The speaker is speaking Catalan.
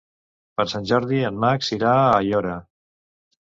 Per Sant Jordi en Max irà a Aiora.